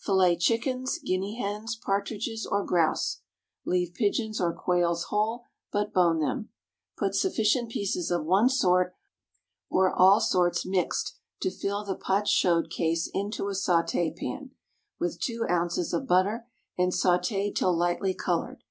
_ Fillet chickens, guinea hens, partridges, or grouse (leave pigeons or quails whole, but bone them). Put sufficient pieces of one sort, or all sorts mixed, to fill the pâte chaude case into a sauté pan, with two ounces of butter, and sauté till lightly colored.